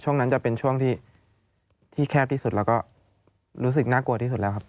ช่วงนั้นจะเป็นช่วงที่แคบที่สุดแล้วก็รู้สึกน่ากลัวที่สุดแล้วครับ